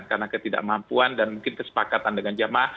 karena ketidakmampuan dan mungkin kesepakatan dengan jama